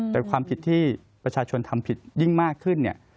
แต่ความผิดที่ประชาชนทำผิดยิ่งมากขึ้นเนี่ย